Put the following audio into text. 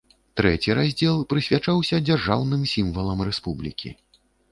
Трэці раздзел прысвячаўся дзяржаўным сімвалам рэспублікі.